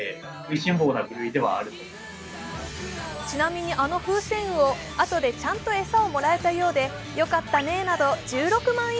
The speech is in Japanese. ちなみに、あのフウセンウオあとでちゃんと餌をもらえたようで「よかったね」など１６万